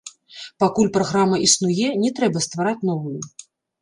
Пакуль праграма існуе, не трэба ствараць новую.